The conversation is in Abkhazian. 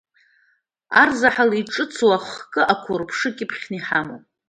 Арзаҳал иҿыцу ахкы ақәырԥшы кьыԥхьны иҳамоуп.